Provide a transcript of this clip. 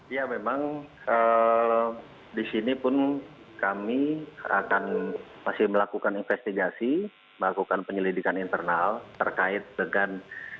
ya memang di sini pun kami akan masih melakukan investigasi melakukan penyelidikan internal terkait dengan